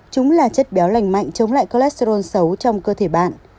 chúng là chất béo lành mạnh chống lại cholesterol xấu trong cơ thể bạn